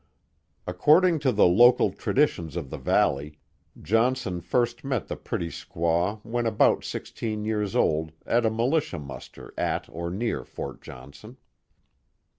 According to the local traditions of the valley, Johnson first met the pretty squaw when about sixteen years old at a militia muster at or near Fort Johnson.